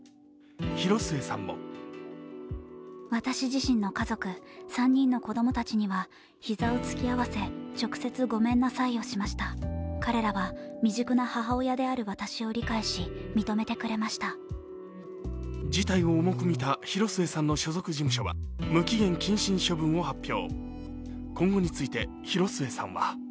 広末さんも事態を重く見た広末さんの所属事務所は無期限謹慎処分を発表。